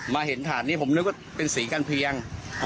เห็นถาดนี้ผมนึกว่าเป็นสีกันเพียง